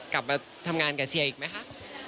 กลับมาทำงานกับเชียร์อีกไหมคะ